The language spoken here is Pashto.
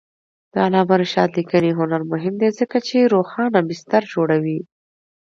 د علامه رشاد لیکنی هنر مهم دی ځکه چې روښانه بستر جوړوي.